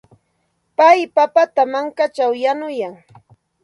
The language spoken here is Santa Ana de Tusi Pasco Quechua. Pay papata mankaćhaw yanuyan.